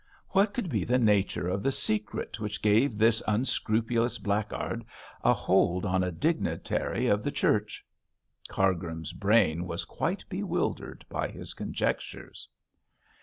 What could be the nature of the secret which gave this unscrupulous blackguard a hold on a dignitary of the Church? Cargrim's brain was quite bewildered by his conjectures.